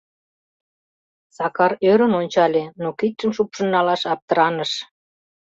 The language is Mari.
Сакар ӧрын ончале, но кидшым шупшын налаш аптыраныш.